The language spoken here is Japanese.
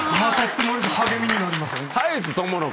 励みになります。